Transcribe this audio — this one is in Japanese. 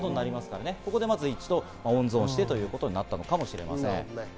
ここで一度温存してということになったかもしれません。